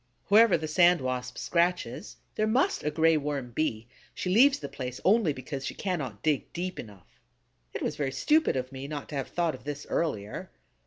Wherever the Sand Wasp scratches, there must a Gray Worm be; she leaves the place only because she cannot dig deep enough. It was very stupid of me not to have thought of this earlier.